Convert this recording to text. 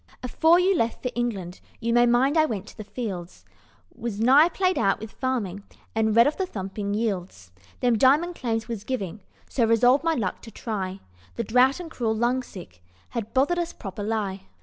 "Afore you left for England, You may mind I went to the Fields; I was nigh played out with farming, And read of the thumping yields Them diamond claims was giving, so Resolved my luck to try, The drought and cruel lungsick Had bothered us proper_ly_.